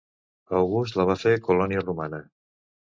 August la va fer colònia romana.